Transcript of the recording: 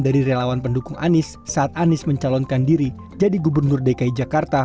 dari relawan pendukung anies saat anies mencalonkan diri jadi gubernur dki jakarta